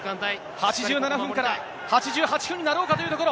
８７分から、８８分になろうかというところ。